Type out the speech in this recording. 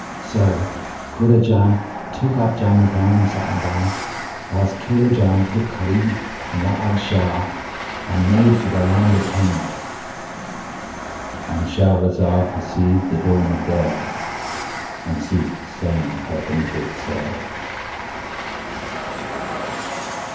So Kurajan took up Jamrkan and Sa'adan, whilst Kaylajan took Gharib and Ra'ad Shah and made for the land of Hind.——And Shahrazad perceived the dawn of day and ceased saying her permitted say.